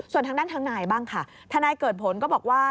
ส่วนทางด้านทางนายบ้างค่ะทนายเกิดผลก็บอกว่า